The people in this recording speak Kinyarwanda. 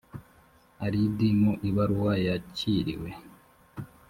ardi mu ibaruwa yakiriwe